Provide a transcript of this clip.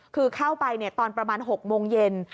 คือเข้าไปเนี่ยตอนประมาณหกโมงเย็น